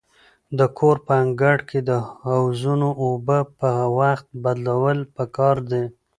د کور په انګړ کې د حوضونو اوبه په وخت بدلول پکار دي.